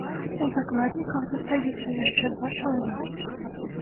У закладніках застаюцца яшчэ два чалавекі.